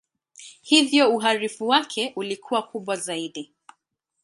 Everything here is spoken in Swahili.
Hivyo uharibifu wake ulikuwa kubwa zaidi.